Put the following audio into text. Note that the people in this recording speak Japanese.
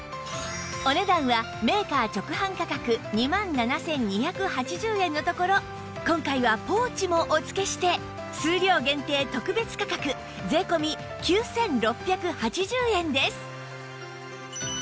お値段はメーカー直販価格２万７２８０円のところ今回はポーチもお付けして数量限定特別価格税込９６８０円です